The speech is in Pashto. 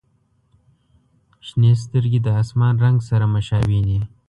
• شنې سترګې د آسمان رنګ سره مشابه دي.